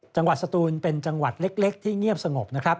สตูนเป็นจังหวัดเล็กที่เงียบสงบนะครับ